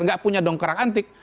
tidak punya dongkrak antik